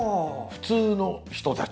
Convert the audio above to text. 普通の人たち？